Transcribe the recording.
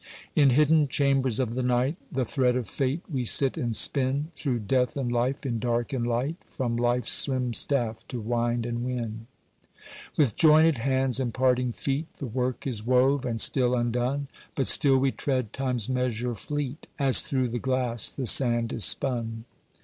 In hidden chambers of the night, The thread of Fate we sit and spin, Through death and life, in dark and light, From life's slim staff to wind and win. With joinèd hands and parting feet, The work is wove, and still undone; But still we tread Time's measure fleet, As through the glass the sand is spun.